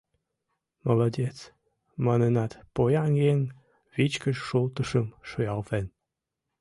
— Молодец! — манынат, поян еҥ вичкыж шултышым шуялтен.